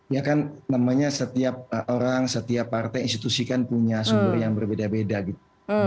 ya kan namanya setiap orang setiap partai institusi kan punya sumber yang berbeda beda gitu